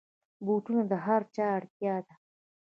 بوټونه د هرچا اړتیا ده.